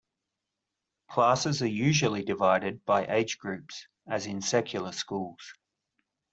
Classes are usually divided by age groups, as in secular schools.